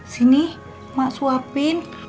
sini mak suapin